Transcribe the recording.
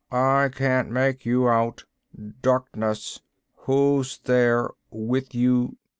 I can't make you out. Darkness.... Who's there? With you...."